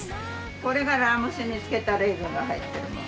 これがラム酒に漬けたレーズンが入ってるもの。